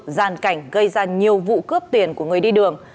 giàn cảnh gây ra nhiều vụ cướp tiền của người đi đường